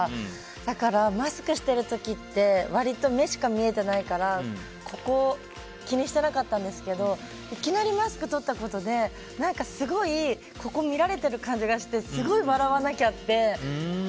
だから、マスクしてる時って割と目しか見えてないからここを気にしてなかったんですけどいきなりマスクとったことですごいここを見られてる感じがしてすごい笑わなきゃって。